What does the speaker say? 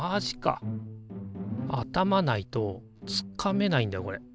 頭ないとつかめないんだこれ。